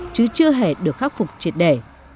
chứ chưa hề được khắc phục triệt đề